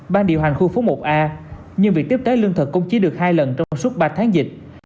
ban điều hành khu phố một a nhưng việc tiếp tế lương thực cũng chỉ được hai lần trong suốt ba tháng dịch